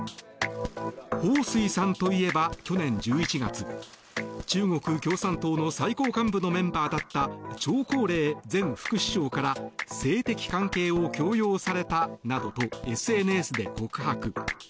ホウ・スイさんといえば去年１１月、中国共産党の最高幹部のメンバーだったチョウ・コウレイ前副首相から性的関係を強要されたなどとＳＮＳで告白。